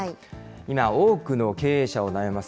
今、多くの経営者を悩ます